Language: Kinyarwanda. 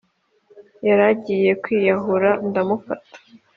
Yaragiye kwiyahura ndamufata